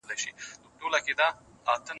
شنه بوټي د هوا د ککړتیا مخه نیسي.